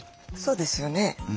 そうですよね。